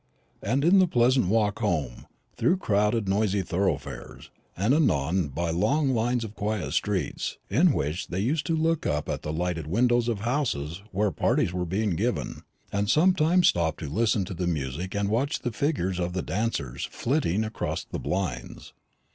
And then the pleasant walk home, through crowded noisy thoroughfares, and anon by long lines of quiet streets, in which they used to look up at the lighted windows of houses where parties were being given, and sometimes stop to listen to the music and watch the figures of the dancers flitting across the blinds.